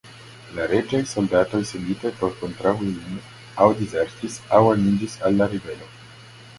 La reĝaj soldatoj senditaj por kontraŭi lin aŭ dizertis aŭ aniĝis al la ribelo.